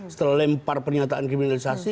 setelah lempar pernyataan kriminalisasi